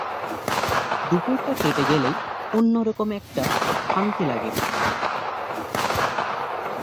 দুপুরটা কেটে গেলেই অন্যরকম একটা শান্তি লাগে।